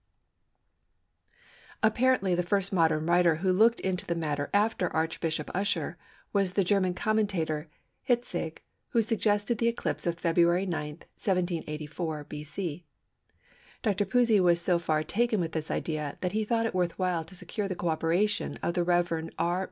C. Apparently the first modern writer who looked into the matter after Archbishop Usher was the German commentator Hitzig who suggested the eclipse of Feb. 9, 784 B.C. Dr. Pusey was so far taken with this idea that he thought it worth while to secure the co operation of the Rev. R.